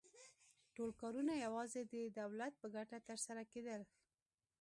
ټول کارونه یوازې د دولت په ګټه ترسره کېدل